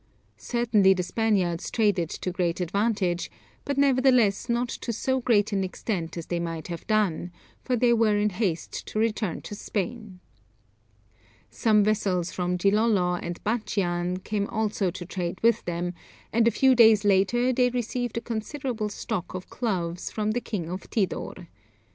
Certainly the Spaniards traded to great advantage, but nevertheless not to so great an extent as they might have done, for they were in haste to return to Spain. Some vessels from Gilolo and Batchian came also to trade with them, and a few days later they received a considerable stock of cloves from the king of Tidor.